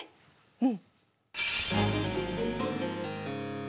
うん。